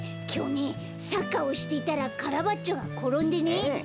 きょうねサッカーをしていたらカラバッチョがころんでね。